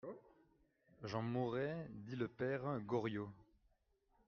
J'en mourrai, dit le père Goriot.